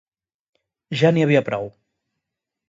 Ja n'hi havia prou!